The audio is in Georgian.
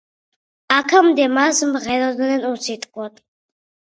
აქამდე მას მღეროდნენ უსიტყვოდ.